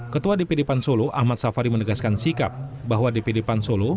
ketua dpd pansolo ahmad safari menegaskan sikap bahwa dpd pansolo